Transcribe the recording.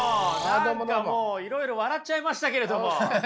何かもういろいろ笑っちゃいましたけれども。